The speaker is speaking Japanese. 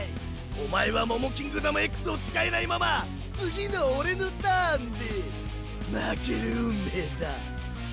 お前はモモキングダムＸを使えないまま次の俺のターンで負ける運命だ。